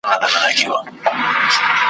خوار چي موړ سي مځکي ته نه ګوري ,